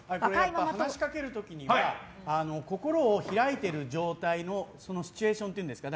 話しかける時には心を開いている状態のシチュエーションというんですか。